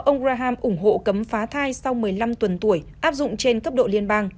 ông raham ủng hộ cấm phá thai sau một mươi năm tuần tuổi áp dụng trên cấp độ liên bang